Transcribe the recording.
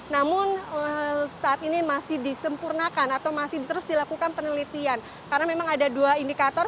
namun saat ini masih disempurnakan atau masih terus dilakukan penelitian karena memang ada dua indikator